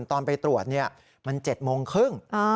ตอนไปตรวจมัน๗โมงครึ่ง